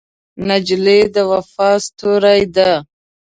نجلۍ د وفا ستورې ده.